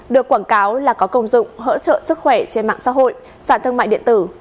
được quảng cáo là có công dụng hỗ trợ sức khỏe trên mạng xã hội sản thương mại điện tử